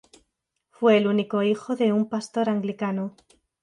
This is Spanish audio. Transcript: Fue el único hijo de un pastor anglicano.